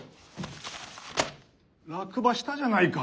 落馬したじゃないか！